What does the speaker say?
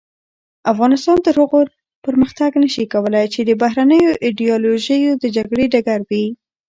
افغانستان تر هغو پرمختګ نشي کولای چې د بهرنیو ایډیالوژیو د جګړې ډګر وي.